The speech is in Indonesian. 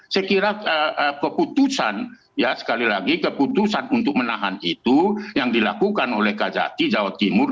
saya kira keputusan ya sekali lagi keputusan untuk menahan itu yang dilakukan oleh kajati jawa timur